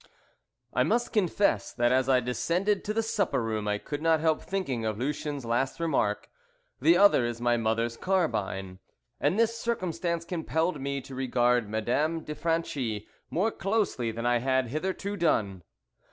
I MUST confess that as I descended to the supper room I could not help thinking of Lucien's last remark, "The other is my mother's carbine;" and this circumstance compelled me to regard Madame de Franchi more closely than I had hitherto done.